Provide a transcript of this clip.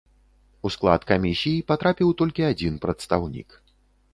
У склад камісій патрапіў толькі адзін прадстаўнік.